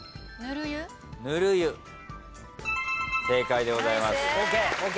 正解でございます。